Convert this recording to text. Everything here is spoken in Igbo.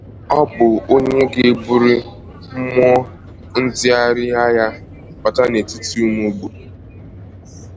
Ọ bụ onye ga-eburu mmụọ ntigharị anya bata n’etiti ụmụ Igbo